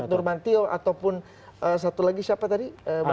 gatot nurmantil ataupun satu lagi siapa tadi